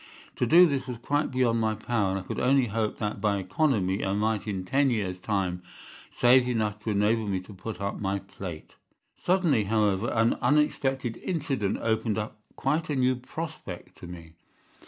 To do this was quite beyond my power, and I could only hope that by economy I might in ten years' time save enough to enable me to put up my plate. Suddenly, however, an unexpected incident opened up quite a new prospect to me.